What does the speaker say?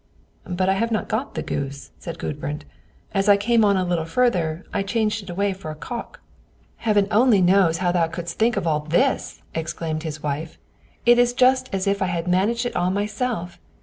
"But I have not got the goose," said Gudbrand; "as I came on a little further, I changed it away for a cock." "Heaven only knows how thou couldst think of all this," exclaimed his wife, "it is just as if I had managed it all myself.